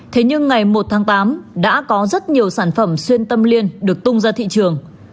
thế nhưng ngày một tháng tám đã có rất nhiều sản phẩm xuyên tâm liên được tung ra thị trường